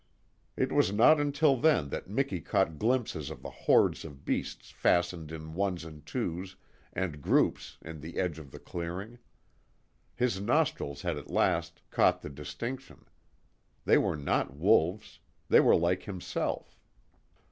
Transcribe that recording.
It was not until then that Miki caught glimpses of the hordes of beasts fastened in ones and twos and groups in the edge of the clearing. His nostrils had at last caught the distinction. They were not wolves. They were like himself.